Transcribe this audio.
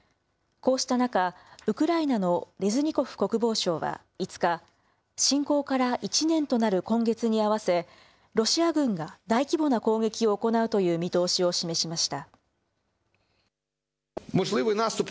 こうした中、ウクライナのレズニコフ国防相は５日、侵攻から１年となる今月に合わせ、ロシア軍が大規模な攻撃を行うという見通しを示しました。